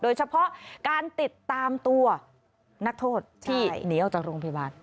โดยเฉพาะการติดตามตัวนักโทษที่หนีออกจากโรงพยาบาล